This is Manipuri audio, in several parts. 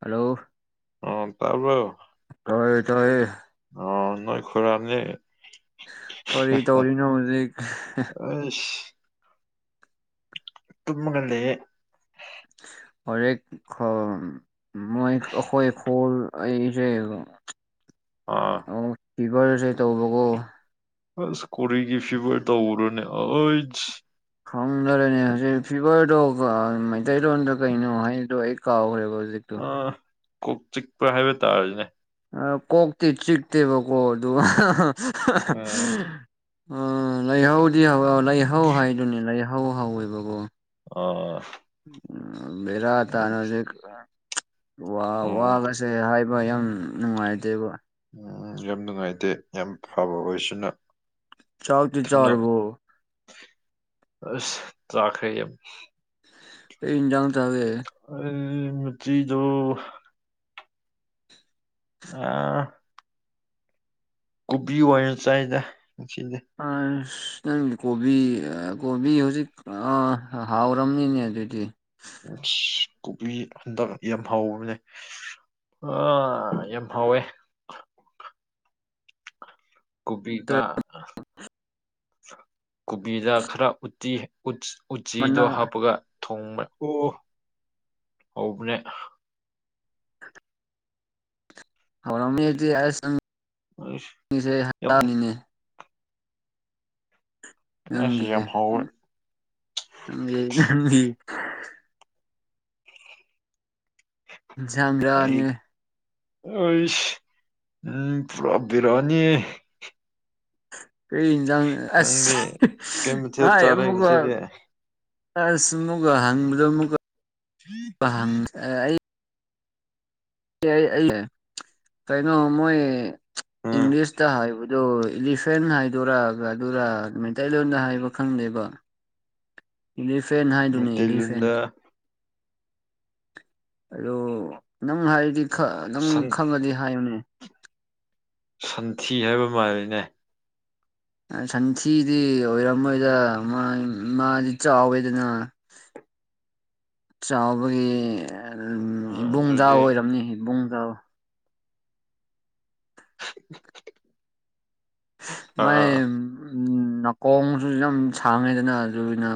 ꯍꯜꯂꯣ ꯑꯥ ꯇꯕ꯭ꯔ‌ꯣ ꯇꯥꯏꯌꯦ ꯇꯥꯏꯌꯦ ꯅꯣꯏ ꯈ‌ꯣꯏꯔꯥꯝꯅ‌ꯦ ꯀꯔꯤ ꯗꯧꯔꯤꯅꯣ ꯍꯨꯖꯤꯛ ꯇꯃꯒꯗꯤ ꯂꯩꯌꯦ ꯍꯔ ꯈꯥꯝ ꯃꯣꯏ ꯈꯣꯏ ꯍꯜ ꯑꯩꯖꯦ ꯑꯥ ꯐꯤꯕꯔꯁꯦ ꯇꯧꯕꯀꯣ ꯑꯁ ꯀꯒ ꯐꯤꯕꯔ ꯇ ꯎꯔꯅꯦ ꯑꯩꯖ ꯈꯪꯅꯔꯅꯦ ꯍꯧꯖꯤꯛ ꯐꯤꯚꯔꯗꯣ ꯃꯩꯇꯩꯔꯣꯟꯗ ꯀꯩꯅꯣ ꯍꯥꯏꯕꯗꯣ ꯑꯩ ꯀꯥꯎꯈ꯭ꯔꯦꯕ ꯄꯣꯖꯤꯛꯇꯨ ꯑꯥ ꯀꯣꯛ ꯆꯤꯛꯄ ꯍꯥꯏꯕ ꯇꯥꯔꯁꯤꯅꯦ ꯑꯥ ꯀꯣꯛꯇꯤ ꯆꯤꯛꯇꯦꯕꯀꯣ ꯑꯗꯨ ꯑꯥ ꯎꯝ ꯂꯩꯥꯏꯍꯥꯎꯗꯤ ꯍꯧꯋ ꯂꯩꯥꯏꯍꯥꯎ ꯍꯥꯏꯗꯨꯅꯦ ꯂꯥꯏꯍꯥꯎ ꯍꯧꯋꯦꯕꯀꯣ ꯑꯣ ꯎꯝ ꯃꯦꯔꯥ ꯇꯅꯖꯤ ꯋꯥ ꯋꯥꯒꯁꯦ ꯍꯥꯏꯕ ꯌꯥꯝ ꯅꯨꯡꯉꯥꯏꯇꯦꯕ ꯎꯝ ꯌꯥꯝ ꯅꯨꯡꯉꯥꯏꯇꯦ ꯌꯥꯝ ꯐꯕ ꯑꯣꯏꯁꯤꯅ ꯆꯥꯎꯥꯛ ꯇꯤ ꯆꯔꯕꯨ ꯑꯁ ꯆꯥꯈ꯭ꯔꯩ ꯑꯩ ꯏꯟꯖꯥꯡ ꯆꯥꯒꯦ ꯎꯝ ꯃꯆꯤꯗꯣ ꯑꯥ ꯀꯣꯕꯤ ꯑꯣꯏꯅ ꯆꯥꯏꯗꯥ ꯑ ꯑꯁ ꯅꯪꯗꯤ ꯀꯣꯕꯤ ꯀꯣꯕꯤ ꯍꯧꯖꯤꯛ ꯍꯥꯎꯔꯝꯅꯤꯅꯦ ꯑꯗꯨꯗꯤ ꯑꯁ ꯀꯨꯕꯤ ꯍꯟꯗꯛ ꯌꯥꯝ ꯍꯥꯎꯕꯅꯦ ꯑꯥ ꯌꯥꯝꯍꯧꯌꯦ ꯀꯣꯕꯤꯒ ꯀꯕꯤꯗꯥ ꯈꯔ ꯎꯤ ꯎ ꯎꯆ ꯃꯅꯥ ꯎꯆꯤꯗꯣ ꯍꯥꯞꯄꯒ ꯊꯣꯡꯕ ꯑꯣ ꯍꯧꯕꯅꯦ ꯍꯧꯔꯝꯅꯤ ꯑꯗꯤ ꯑꯁ ꯑꯁ ꯌꯥꯝ ꯎꯝ ꯑꯁ ꯅꯡꯒꯤꯔꯦ ꯌꯥꯝ ꯍꯥꯎꯋꯦ ꯅꯪꯒꯤ ꯅꯪꯒꯤ ꯭ꯔꯥ [unintelligible] ꯑꯅꯤ ꯑꯩ ꯎꯝ ꯄꯨꯔꯥ ꯕꯤꯔꯌꯥꯅꯤ ꯀꯩ ꯍꯦꯟꯖꯡ ꯅꯪꯗꯤ ꯑꯁ ꯀꯩ ꯃꯊꯦꯜ ꯌꯥꯏ ꯆꯥꯔꯦ ꯑꯃꯨꯀ ꯉꯁꯤꯗꯤ ꯑꯁ ꯑꯃꯨꯛꯀ ꯍꯪꯕꯗꯣ ꯑꯃꯛꯀ ꯑꯩ ꯀꯩꯅꯩꯅꯣ ꯃꯣꯏꯣꯏ ꯎꯝ ꯏꯪꯂꯤꯁꯇ ꯍꯥꯏꯕꯗꯨꯣ ꯏꯂꯤꯐꯦꯟ ꯍꯥꯏꯗꯔꯥ ꯑꯗꯨꯔ ꯃꯩꯇꯩꯂꯣꯟꯗ ꯍꯥꯏꯕ ꯈꯪꯗꯦꯕ ꯕ ꯏꯂꯤꯐꯦꯟ ꯍꯥꯏꯗꯨꯅꯦ ꯏꯂꯤꯐꯦꯟ ꯃꯩꯇꯩꯂꯣꯟꯗ ꯑꯗꯣ ꯅꯪ ꯍꯥꯏꯔꯗꯤ ꯅꯪ ꯁꯟ ꯈꯪꯉꯗꯤ ꯍꯥꯏꯕꯅꯦ ꯁꯟꯊꯤ ꯍꯥꯏꯕ ꯃꯥꯜꯂꯤꯅꯦ ꯁꯟꯊꯤꯗꯤ ꯑꯣꯏꯔꯝꯃꯣꯏꯗ ꯃꯥꯗꯤ ꯆꯥꯎꯋꯦꯗꯅ [inaudible] ꯆꯥꯎꯕꯒꯤ ꯑꯝ ꯑ ꯏꯕꯨꯡ ꯖꯥꯎ ꯑꯗꯨꯗꯤ ꯑꯣꯏꯔꯝꯅꯤ ꯏꯕꯨꯡꯖꯥꯎ [inaudible] ꯑ ꯃꯥꯏ ꯅꯥꯀꯣꯡꯁꯨ ꯌꯥꯝ ꯁꯥꯡꯉꯦꯗꯅ ꯑꯗꯨꯅ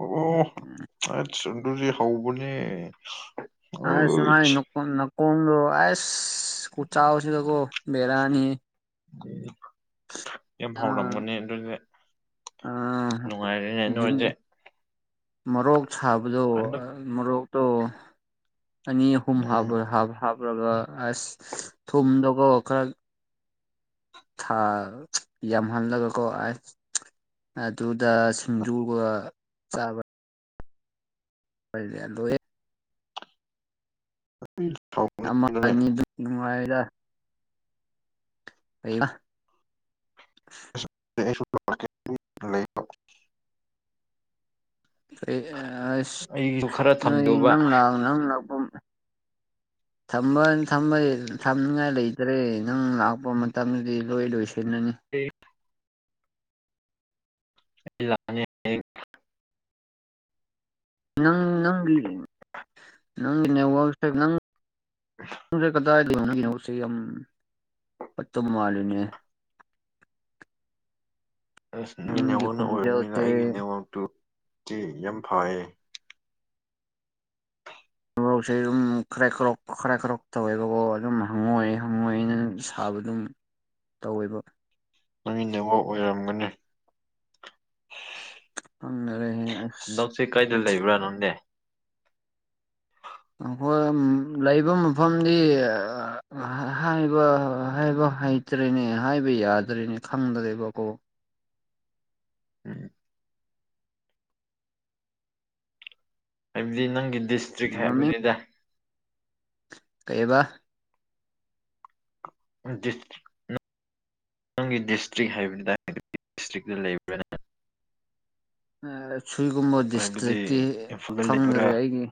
ꯑꯝ ꯑꯁ ꯑꯗꯨꯗꯤ ꯍꯧꯕꯅꯦ ꯑꯣꯏ ꯑꯁꯥꯏꯣ [unintelligible] ꯀꯣꯡꯗꯣ ꯑꯥꯏꯁ ꯀꯨ ꯆꯥꯎꯁꯤ ꯇ ꯀꯣ ꯕꯦꯔꯥꯅꯤ ꯌꯥꯝ ꯑ ꯐꯥꯎꯔꯒꯅꯤ ꯑꯗꯨꯏꯗꯤ ꯑ ꯅꯨꯡꯉꯥꯏꯔꯤꯅꯦ ꯅꯔꯁꯦ ꯃꯣꯔꯣꯛ ꯁꯥꯕꯗꯣ ꯃꯣꯔꯣꯛꯇꯣ ꯑꯅꯤ ꯑꯍꯨꯝ ꯎꯝ ꯎꯔꯒ ꯑꯁ ꯊꯨꯝꯗꯒ ꯈꯔ ꯊꯥ ꯌꯥꯝꯍꯜꯂꯒꯀꯥꯏ ꯑꯗꯨꯗ ꯁꯤꯡꯖꯨꯒ ꯆꯥꯕ ꯐ ꯑꯗꯨ ꯑꯃ ꯁꯥꯎꯅꯤꯡꯕꯅꯦ ꯑꯅꯤꯗꯨ ꯅꯨꯡꯉꯥꯏꯔ ꯑꯩ ꯁꯨ ꯂꯩ ꯂ ꯑꯩꯣꯏ ꯑꯁ ꯈꯔ ꯅꯣꯏ ꯊꯝꯕꯤꯌꯣꯕ ꯅꯪ ꯂꯥꯛꯑꯣ ꯅꯪ ꯂꯥꯛꯄ [inaudible] ꯊꯝꯕ ꯊꯝꯅꯤꯡꯉꯥꯏ ꯂꯩꯇ꯭ꯔꯦ ꯅꯪ ꯂꯥꯛꯄ ꯃꯇꯝꯗꯗꯤ ꯂꯣꯏ ꯂꯣꯏꯁꯤ ꯊꯅꯅꯤ ꯑꯩ ꯏ ꯂꯅꯤ ꯅꯪ ꯅꯪꯒꯤ ꯅꯪꯒꯤ ꯅꯋꯛꯁ ꯅꯪ ꯇꯦ ꯀꯗꯥ ꯌꯥꯝ ꯄꯠꯇ ꯃꯃ ꯂꯅꯦ ꯑꯁ ꯅꯪꯒꯤ ꯅꯦꯋꯥꯛꯅ ꯑꯣꯏꯔꯕꯅꯤꯅ ꯈꯣꯟꯖꯦꯜꯁꯦ ꯑꯩꯒꯤ ꯅꯦꯋꯥꯛꯇꯨꯗꯤ ꯌꯥꯝ ꯐꯌꯦ ꯃꯣꯛꯁꯦ ꯑꯗꯨꯝ ꯈꯔ ꯀ꯭ꯔꯣꯛ ꯈꯔꯥꯏ ꯈ꯭ꯔꯣꯛ ꯇꯧꯋꯦꯕꯀꯣ ꯑꯗꯨꯝ ꯍꯪꯉꯣꯏꯦ ꯍꯪꯉꯣꯏꯦꯅ ꯁꯥꯕ ꯑꯗꯨꯝ ꯇꯧꯕ ꯃꯥꯡꯃꯤꯟꯅꯕ ꯑꯣꯏꯔꯝꯒꯅꯤ ꯍꯪꯅꯔꯦ ꯍꯟꯗꯛꯁꯦ ꯀꯩꯗ ꯂꯩꯕ꯭ꯔꯥꯅꯪꯅꯦ ꯑꯩꯈꯣꯏ ꯂꯩꯕ ꯃꯐꯝꯗꯤ ꯍꯥꯏꯕ ꯍꯥꯏꯕ ꯍꯩꯇ꯭ꯔꯦꯅꯦ ꯍꯥꯏꯕ ꯌꯥꯗ꯭ꯔꯔꯤꯅꯦ ꯈꯪꯗ꯭ꯔꯦꯕꯀꯣ ꯎꯝ ꯍꯥꯏꯕꯗꯤ ꯅꯪꯒꯤ ꯗꯤꯁꯇ꯭ꯔꯤꯛ ꯃꯃꯤꯡ ꯍꯥꯏꯕꯅꯤꯗ ꯀꯩꯕ ꯗꯤꯁꯇ꯭ꯔꯤ ꯅꯊꯪꯒꯤ ꯗꯤꯁꯇ꯭ꯔꯤꯛ ꯍꯥꯏꯕꯅꯤ ꯇ ꯗꯤꯁꯇ꯭ꯔꯤꯛꯇ ꯂꯩꯕꯅ ꯁꯤꯣꯏꯒꯨꯝꯕ ꯍꯥꯏꯕꯗꯤ ꯗꯤꯁꯇ꯭ꯔꯤꯛꯇꯤ ꯏꯝꯐꯥꯜꯗ ꯂꯩꯕ꯭ꯔꯥ ꯈꯪꯅꯔꯦ ꯑꯩꯒꯤ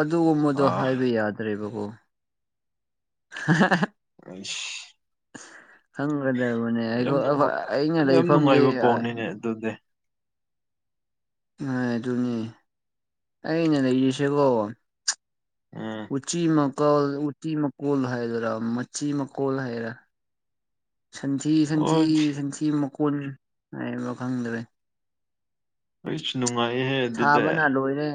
ꯑꯗꯨꯒꯨꯝꯕꯗꯣ ꯑꯥ ꯍꯥꯏꯕ ꯌꯥꯗ꯭ꯔꯦꯕꯀꯣ [unintelligible] ꯑꯁ ꯈꯪꯒꯗꯕꯅꯦ ꯌꯥꯝ ꯅꯨꯡꯉꯥꯏ ꯑꯩꯅ ꯌꯥꯝ ꯂꯩꯐꯝꯗꯤ ꯅꯨꯡꯉꯥꯏꯕ ꯄꯥꯎꯅꯤꯅꯦ ꯑꯗꯨꯗꯤ ꯍꯣꯏ ꯑꯗꯨꯅꯤ ꯑꯩꯅ ꯂꯩꯔꯤꯁꯦꯀꯣ ꯎꯝ ꯎꯆꯤ ꯃ ꯀꯜ ꯎ ꯎꯆꯤ ꯃꯀꯣꯜ ꯍꯥꯏꯗꯔ ꯃꯆꯤ ꯃꯀꯣꯜ ꯍꯥꯏꯔ ꯁꯟꯊꯤ ꯁꯟꯊꯤ ꯍꯣꯏ ꯁꯟꯊꯤ ꯃꯀꯣꯟ ꯍꯥꯏꯕ ꯈꯪꯗ꯭ꯔꯦ ꯑꯩꯅ ꯁꯥꯕꯅ ꯂꯣꯏꯔꯦ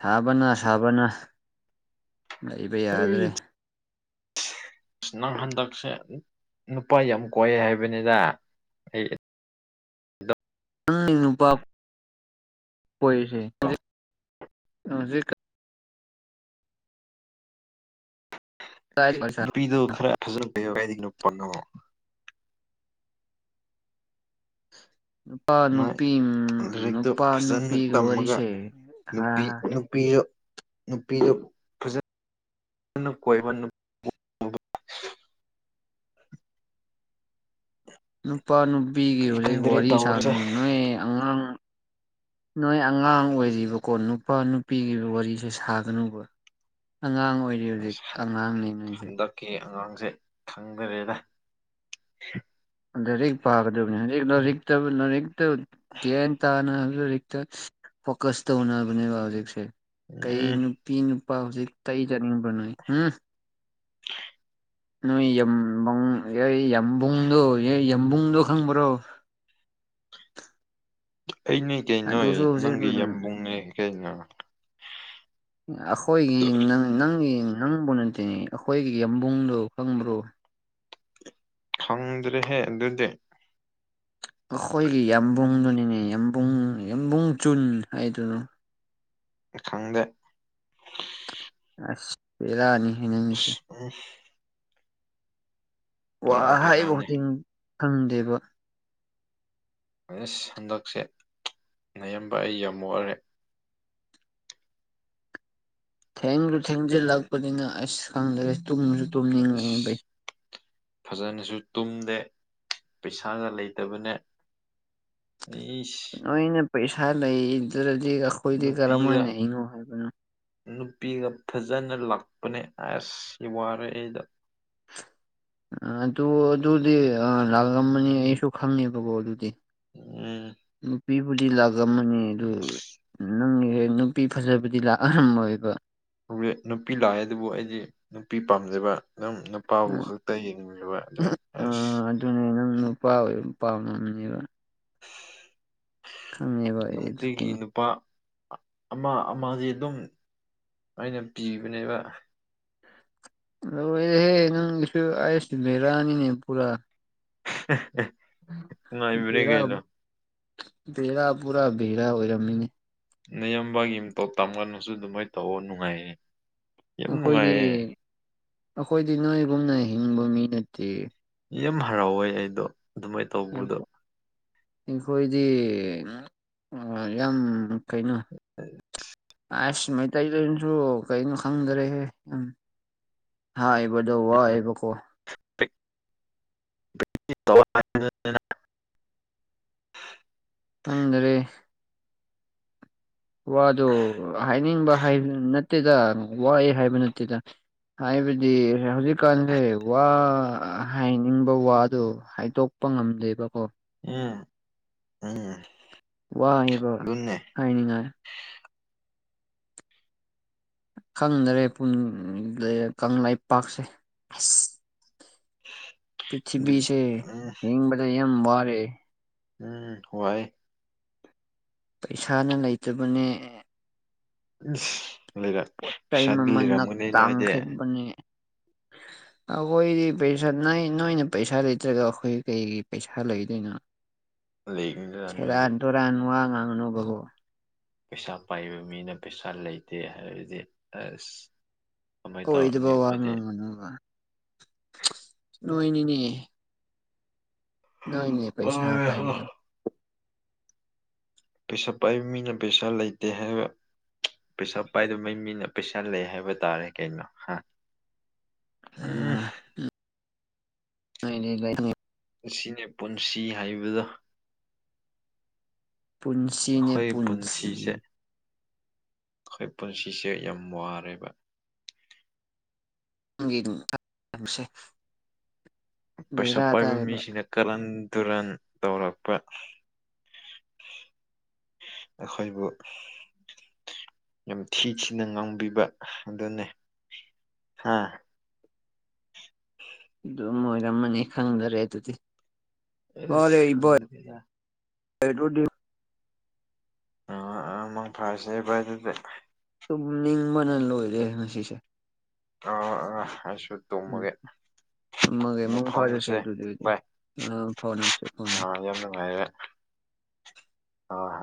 ꯁꯥꯕꯅ ꯁꯥꯕꯅ ꯂꯩꯕ ꯍꯣꯏ ꯌꯥꯗ꯭ꯔꯦ ꯑꯁ ꯅꯪ ꯍꯟꯗꯛꯁꯦ ꯅꯨꯄꯥ ꯌꯥꯝ ꯀꯣꯏ ꯍꯥꯏꯕꯅꯤꯗ ꯑꯩ ꯃꯅꯤꯅ ꯄꯥꯄ ꯑꯣꯏꯣꯏꯁ ꯑ ꯀꯗꯥꯏꯗ ꯅꯨꯄꯤꯗꯨ ꯈꯔꯖꯄꯣ ꯅꯨꯄꯥ ꯅꯨꯄꯤ ꯂꯥꯏꯔꯤꯛꯇꯨ ꯅꯨꯄꯥ ꯐꯖꯅ ꯅꯨꯄꯤꯒꯤ ꯇꯝꯃꯒ ꯋꯥꯔꯤꯁꯦ ꯅꯨꯄꯤ ꯍꯥ ꯅꯨꯄꯤꯗꯣ ꯅꯨꯄꯤꯗ ꯀꯣꯏꯃ ꯅꯨꯄꯥ ꯅꯨꯄꯤꯒꯤ ꯍꯧꯖꯤꯛ ꯈꯪꯗ꯭ꯔꯦ ꯋꯥꯔꯤ ꯇꯧꯔꯤꯁꯦ ꯁꯥꯅꯨ ꯅꯣꯏ ꯑꯉꯥꯡ [unintelligible] ꯅꯣꯏ ꯑꯉꯥꯡ ꯑꯣꯏꯔꯤꯕꯀꯣ ꯅꯨꯄꯥ ꯅꯨꯄꯤꯒꯤ ꯋꯥꯔꯤꯁꯦ ꯁꯥꯒꯅꯨꯕ ꯑꯉꯥꯡ ꯑꯣꯏꯔꯤ ꯍꯧꯖꯤꯛ ꯑꯁ ꯑꯉꯥꯡꯅꯦꯉꯩꯁꯦ ꯁꯦ ꯈꯪꯗꯔꯦꯗ ꯑꯔ ꯄꯥꯒꯗꯕꯅꯦꯔꯤꯛꯇ ꯅꯔꯤꯛꯇ ꯒꯌꯥꯟ ꯇꯥꯅ ꯛꯇ ꯐꯣꯀꯁ ꯇꯧꯅꯕꯕ ꯍꯧꯖꯤꯛꯁꯦ ꯀꯩ ꯎꯝ ꯅꯨꯄꯤ ꯅꯨ ꯄꯥ ꯍꯧꯖꯤꯛ ꯇꯩꯖꯅꯤꯡꯕ ꯅꯣꯏ ꯎꯝ ꯅꯣꯏ ꯌꯨꯡ ꯑꯦ ꯌꯥꯝꯕꯨꯡꯗꯣ ꯑꯦ ꯌꯥꯝꯕꯨꯡꯗꯣ ꯈꯪꯕ꯭ꯔꯣ [unintelligible] ꯑꯩꯅꯦ ꯀꯩ ꯅꯣꯏ ꯑꯗꯨꯁꯨ ꯍꯧꯖꯤꯛ ꯅꯪꯒꯤ ꯌꯥꯝꯕꯨꯡꯅꯦ ꯀꯩꯅ ꯑꯩꯈꯣꯏꯒꯤ ꯅꯪꯒꯤ ꯅꯪꯕꯨ ꯅꯇꯤꯅꯤ ꯑꯩꯈꯣꯏꯒꯤ ꯌꯕꯨꯡꯗꯨꯣ ꯈꯪꯕ꯭ꯔꯣ ꯈꯪꯗ꯭ꯔꯦꯍꯦ ꯑꯗꯨꯗꯨꯗ ꯑꯩꯈꯣꯏꯒꯤ ꯌꯥꯝꯕꯨꯡꯗꯨꯅꯤꯅꯦ ꯌꯥꯝꯕꯨꯡ ꯌꯥꯝꯕꯨꯡ ꯆꯨꯟ ꯍꯥꯏꯗꯨꯅ ꯈꯪꯗꯦ ꯑꯁ ꯄꯦꯔꯅꯤ ꯎꯝ ꯋꯥ ꯄꯨꯔꯥ ꯕꯦꯔꯥꯅꯤ ꯍꯥꯏꯕꯗꯤꯡ ꯈꯪꯗꯦꯕ ꯑꯩꯅ ꯁꯟꯗꯛꯁꯦ ꯅꯌꯥꯝꯦꯝꯕ ꯑꯩ ꯌꯥꯝꯃꯛꯑꯔꯦ ꯊꯦꯡꯨ ꯊꯦꯡꯖꯤꯜꯂꯛꯄꯅꯤꯅ ꯑꯁ ꯈꯪꯗꯔꯦ ꯇꯨꯝꯁꯨ ꯑꯁ ꯇꯨꯝꯅꯤꯡꯉꯥꯏꯕꯩ ꯐꯖꯅꯁꯨ ꯇꯨꯝꯗꯦ ꯄꯩꯁꯥꯒ ꯂꯩꯇꯕꯅꯦ ꯏꯁ ꯅꯣꯏꯅ ꯄꯩꯁꯥ ꯂꯩꯗ꯭ꯔꯗꯤ ꯑꯩꯈꯣꯏꯗꯤ ꯅꯨꯄꯤꯒ ꯀꯔꯝꯍꯥꯏꯅ ꯏꯅꯣ ꯍꯥꯏꯕꯅꯣ ꯅꯨꯄꯤꯒ ꯐꯖꯅ ꯂꯥꯛꯄꯅꯦ ꯑꯁ ꯋꯥꯔ ꯑꯩꯗꯣ ꯑꯗꯨ ꯑꯗꯨꯗꯤ ꯂꯥꯜꯂꯝꯕꯅꯤ ꯑꯩꯁꯨ ꯈꯪꯉꯦꯕꯀꯣ ꯑꯗꯨꯗꯤ ꯎꯝ ꯎꯝ ꯅꯨꯄꯤꯕꯨꯗꯤ ꯂꯥꯛꯑꯝ ꯑꯃꯅꯤ ꯑꯗꯨ ꯅꯪꯒꯤ ꯍ ꯅꯨꯄꯤ ꯐꯖꯕꯨꯗꯤ ꯂꯥꯛꯑꯔꯝꯃꯣꯏꯕ ꯅꯨꯄꯤ ꯂꯥꯛꯑꯦ ꯑꯗꯨꯕꯨ ꯑꯩꯗꯤ ꯅꯨꯄꯤ ꯄꯥꯝꯖꯕ ꯅꯝ ꯅꯨꯄꯥꯕꯨ ꯈꯛꯇ ꯌꯦꯡꯅꯤꯡꯕ ꯑꯗꯨ ꯑꯁ ꯑꯗꯨꯅꯦ ꯅꯪ ꯅꯨꯄꯥ ꯑꯣꯏ ꯅꯨꯄꯥꯥꯝꯃꯦꯕ ꯑꯩ ꯅꯨꯡꯇꯤꯒꯤ ꯑꯗꯨꯒꯤꯅꯤ ꯅꯨꯄꯥ ꯑꯃ ꯑꯃ ꯑꯗꯨꯝ ꯑꯩꯅ ꯄꯤꯕꯅꯦꯕ ꯑꯁ ꯂꯣꯏꯔꯦꯍꯦ ꯅꯪꯁꯨ ꯑꯁ ꯕꯤꯔꯅꯤꯅꯦ ꯄꯨꯔꯥ [unintelligible] ꯂꯣꯏꯕꯅꯦ ꯕꯦꯔꯥ ꯀꯩꯅꯣ ꯕꯦꯔꯥ ꯄꯨꯔꯥ ꯕꯦꯔꯥ ꯑꯣꯏꯔꯃꯤꯅꯦ ꯅꯌꯥꯝꯕꯥꯒꯤꯨꯝꯇꯣꯞ ꯇꯝꯒꯅꯁꯨ ꯑꯗꯨꯃꯥꯏꯅ ꯇꯧꯑꯣ ꯅꯨꯡꯉꯥꯏ ꯑꯩꯈꯣꯏꯗꯤ ꯌꯥꯝꯦꯝꯉꯥꯏꯦ ꯑꯩꯈꯣꯏꯗꯤ ꯅꯣꯏꯒꯨꯝꯅ ꯍꯤꯡꯕ ꯃꯤ ꯅꯠꯇꯦ ꯌꯥꯝ ꯍꯔꯥꯎꯋꯦ ꯑꯩꯗꯣ ꯑꯗꯨꯃꯥꯏꯅ ꯇꯧꯕꯗꯣ ꯑꯩꯈꯣꯏꯗꯤ ꯌꯥꯝ ꯀꯩꯅꯣ ꯑꯁ ꯃꯩꯇꯩꯗꯅꯁꯨ ꯀꯩꯅꯣ ꯈꯪꯗꯔꯦꯍꯦ ꯌꯥꯝ ꯍꯥꯥ ꯏꯕꯗꯣ ꯋꯥꯏꯕꯀꯣ [inaudible] ꯈꯪꯗ꯭ꯔꯦ ꯋꯥꯗꯣ ꯍꯥꯏꯅꯤꯡꯕ ꯍꯥꯏ ꯅꯠꯇꯦꯗ ꯋꯥꯑ ꯍꯥꯏꯕ ꯅꯠꯇꯦꯗ ꯍꯥꯏꯕꯗꯤ ꯍꯧꯖꯤꯛꯀꯥꯟꯁꯦ ꯋꯥ ꯍꯥꯏꯅꯤꯡꯕ ꯋꯥꯗꯣ ꯍꯥꯏꯗꯣꯛ ꯀꯄ ꯉꯝꯗꯦꯕꯀꯣ ꯎꯝ ꯑꯝ ꯋꯥꯑꯕ ꯍꯥꯏꯅꯤꯡꯉꯥꯏ ꯈꯪꯗꯔꯦ ꯀꯪꯂꯩꯄꯥꯛꯁꯦ ꯑꯁ ꯑꯗꯨ ꯄ꯭ꯤꯊꯤꯕꯤꯁꯦ ꯎꯝ ꯍꯡꯕꯗ ꯋꯥꯔꯦ ꯎꯝ ꯋꯥꯏ ꯄꯩꯁꯥꯅ ꯂꯩꯇꯕꯅꯦ ꯂꯩꯔ ꯄꯣꯠ ꯆꯩ ꯄꯩꯁꯥꯗꯤ ꯃꯃꯜꯅ ꯂꯩꯔꯝꯒꯅꯤ ꯅꯣꯏꯗꯤ ꯇꯥꯡꯈꯠꯄꯅꯦ [inaudible] ꯑꯩꯈꯣꯏꯗꯤ ꯄꯩꯁꯥ ꯅ ꯅꯣꯏꯅ ꯄꯩꯁꯥ ꯂꯩꯇ꯭ꯔꯒ ꯑꯩꯈꯣꯏ ꯀꯩꯒꯤ ꯄꯩꯁꯥ ꯂꯩꯗꯣꯏꯅꯣ ꯂꯩꯒꯅꯤꯗꯅ ꯅꯣꯏꯗꯤ ꯁꯦꯔꯟ ꯇꯨꯔꯟ ꯋꯥ ꯉꯥꯡꯥꯡꯅꯨ ꯒꯣ ꯄꯩꯁꯥ ꯄꯥꯏꯕ ꯃꯤꯅ ꯄꯩꯁꯥ ꯂꯩꯇꯦ ꯍꯥꯏꯕꯗꯤ ꯑꯁ ꯀꯃꯥꯏ ꯇꯧꯔꯅꯤ ꯀꯣꯏꯗꯕ ꯋꯥ ꯑꯩꯈꯣꯏꯗꯤ ꯃꯥꯡꯒꯅꯨꯕ ꯅꯣꯏꯅꯤꯅꯦ ꯅꯣꯏ ꯅꯦ ꯄꯩꯁꯥ ꯄꯥꯏꯔꯤꯗꯨ ꯄꯩꯁꯥ ꯄꯥꯏꯕ ꯃꯤꯅ ꯄꯩꯁꯥ ꯂꯩꯇꯦ ꯍꯥꯏꯕ ꯄꯩꯁꯥ ꯄꯥꯏꯗꯃꯩ ꯃꯤꯅ ꯄꯩꯁꯥ ꯂꯩ ꯍꯥꯏꯕ ꯇꯥꯔꯦ ꯀꯩꯅꯣ ꯎꯝ [inaudible] ꯑꯁꯤꯅꯦ ꯄꯨꯟꯁꯤ ꯍꯥꯏꯕꯗꯣ ꯄꯨꯟꯁꯤꯅꯦ ꯑꯩꯈꯣꯏ ꯄꯨꯟꯁꯤ ꯄꯨꯟꯁꯤꯁꯦ ꯑꯩꯈꯣꯏ ꯄꯨꯟꯁꯤꯁꯦ ꯌꯥꯝ ꯋꯥꯔꯦꯕ [inaudible] ꯄꯩꯁꯥ ꯕꯦꯔꯥ ꯄꯥꯏꯕ ꯇꯥꯔꯦꯕ ꯃꯤꯁꯤꯡꯅ ꯀꯍꯟ ꯇꯨꯔꯟ ꯇꯧꯔꯛꯄ ꯑꯈꯣꯏꯕꯨ ꯌꯥꯝ ꯊꯤ ꯊꯤꯅ ꯉꯥꯡꯕꯤꯕ ꯑꯗꯨꯅꯦ ꯍꯥꯥ ꯃꯣꯏꯔꯃꯅꯤ ꯈꯪꯗꯔꯦ ꯇꯗꯤ ꯑꯦꯁ ꯐꯪꯗ ꯍ ꯑꯃꯥꯡ ꯐꯔꯁꯦꯕ ꯑꯗꯨꯗꯤ ꯇ ꯅꯅꯤ ꯃꯅꯅ ꯂꯣꯏ ꯔꯦ ꯉꯁꯤꯁꯦ ꯑ ꯑ ꯑꯁꯨ ꯎꯝ ꯇꯣꯃꯒꯦ ꯇꯨꯝꯃꯒ ꯑꯃꯨꯛ ꯃꯪ ꯐꯥꯔꯁꯦ ꯐꯥꯎꯅꯁꯦ ꯑꯗꯨꯗꯤ ꯑꯣꯏꯗꯤ ꯚꯏ ꯑ ꯐꯥꯎꯅꯁꯦ ꯐꯥꯎꯅꯁꯦ ꯑ ꯌꯥꯝ ꯅꯨꯡꯉꯥꯏꯔꯦ ꯍ ꯍ